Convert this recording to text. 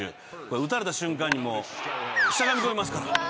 打たれた瞬間にもうしゃがみ込みますから。